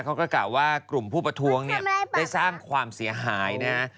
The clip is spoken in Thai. ก็ก่อก่อว่ากลุ่มผู้ประท้วงได้สร้างความเสียหายนะฮะ